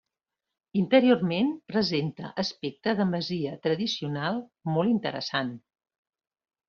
Interiorment presenta aspecte de masia tradicional molt interessant.